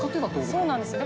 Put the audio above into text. そうなんですよ。